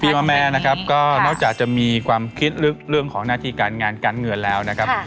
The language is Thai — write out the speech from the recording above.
มาแม่นะครับก็นอกจากจะมีความคิดลึกเรื่องของหน้าที่การงานการเงินแล้วนะครับ